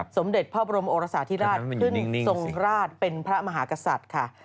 สมเด็จพระบรมโอรสาธิราชขึ้นทรงราชเป็นพระมหากษัตริย์ค่ะ